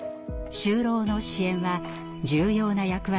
就労の支援は重要な役割の一つ。